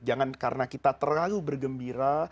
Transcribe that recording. jangan karena kita terlalu bergembira